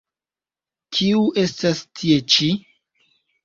Kiu estas tie ĉi?